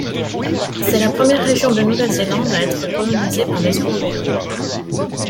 C'est la première région de Nouvelle-Zélande à être colonisée par des Européens.